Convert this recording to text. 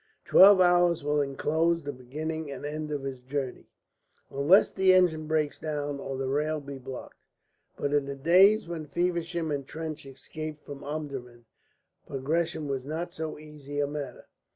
Twelve hours will enclose the beginning and the end of his journey, unless the engine break down or the rail be blocked. But in the days when Feversham and Trench escaped from Omdurman progression was not so easy a matter.